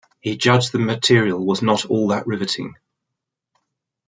He judged the material was "not all that riveting".